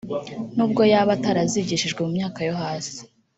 nubwo yaba atarazigishijwe mu myaka yo hasi